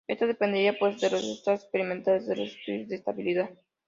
Esto dependerá pues, de los resultados experimentales de los estudios de estabilidad.